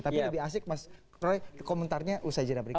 tapi lebih asik mas roy komentarnya usai jeda berikut